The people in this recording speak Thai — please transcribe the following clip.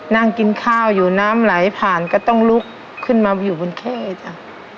นั่งกินข้าวอยู่น้ำไหลผ่านก็ต้องลุกขึ้นมาอยู่บนเข้จ้ะ